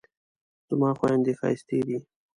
زما خویندې ښایستې دي